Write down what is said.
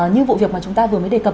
như vụ việc mà chúng ta vừa mới đề cập